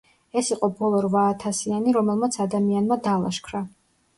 ეს იყო ბოლო რვაათასიანი, რომელიც ადამიანმა დალაშქრა.